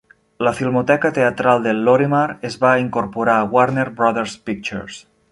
La filmoteca teatral de Lorimar es va incorporar a Warner Brothers Pictures.